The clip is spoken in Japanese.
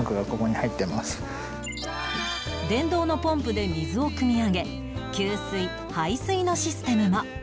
電動のポンプで水をくみ上げ給水排水のシステムも